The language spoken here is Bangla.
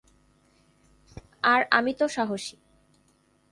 আর আমিতো সাহসী।